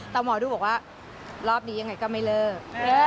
แต่หมอดูบอกว่ารอบนี้ยังไงก็ไม่เลิก